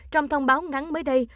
trong thông báo ngắn mới đây